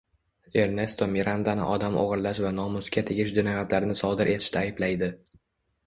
Ernesto Mirandani odam o‘g‘irlash va nomusga tegish jinoyatlarini sodir etishda ayblaydi.